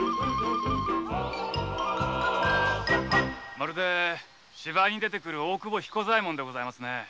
・まるで芝居に出てくる大久保彦左衛門でございますね。